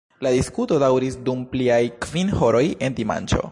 La diskuto daŭris dum pliaj kvin horoj en dimanĉo.